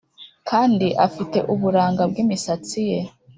kandi afite uburanga bwimisatsi ye